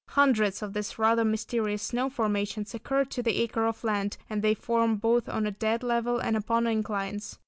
Hundreds of these rather mysterious snow formations occur to the acre of land, and they form both on a dead level and upon inclines.